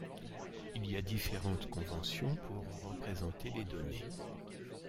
Il y a différentes conventions pour représenter les données.